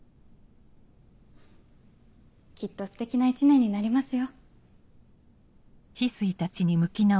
きっとステキな１年になりますよ。